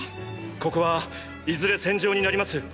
ここはいずれ戦場になります。